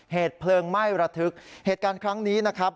เหตุเพลิงไหม้ระทึกเหตุการณ์ครั้งนี้นะครับ